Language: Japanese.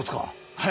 はい！